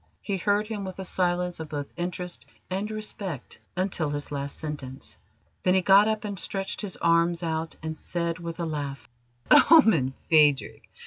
He heard him with a silence of both interest and respect until his last sentence. Then he got up and stretched his arms out and said with a laugh: "Omen, Phadrig!